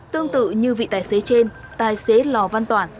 tương tự như vị tài xế trên tài xế lò văn toản